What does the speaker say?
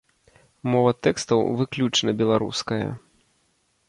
Мова тэкстаў выключна беларуская.